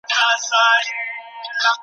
شا او مخ ته یې پر هر وګړي بار کړل `